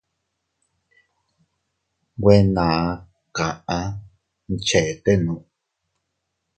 Nwe naa kaʼa mchetenuu.